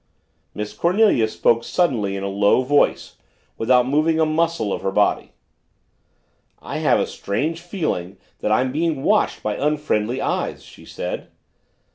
Miss Cornelia spoke suddenly in a low voice, without moving a muscle of her body. "I have a strange feeling that I'm being watched by unfriendly eyes," she said.